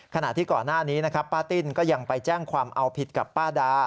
ขณะที่ก่อนหน้านี้นะครับป้าติ้นก็ยังไปแจ้งความเอาผิดกับป้าดา